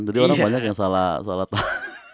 jadi orang banyak yang salah tau